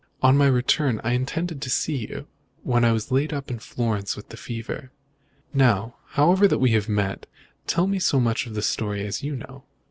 On my return I intended to see you, when I was laid up in Florence with the fever. Now, however, that we have met, tell me so much of the story as you know.